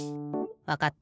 わかった。